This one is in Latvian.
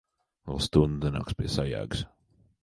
Vēl stundu nenāks pie sajēgas.